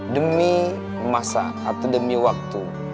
demi masa atau demi waktu